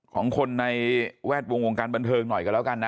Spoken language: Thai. ของคนในแวดวงวงการบันเทิงหน่อยกันแล้วกันนะ